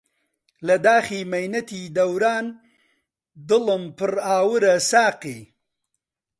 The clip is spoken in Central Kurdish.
لە داخی مەینەتی دەوران دلم پر ئاورە ساقی